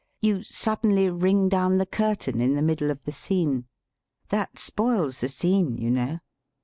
You suddenly ring down the curtain in the mid dle of the scene. That spoils the scene, you know.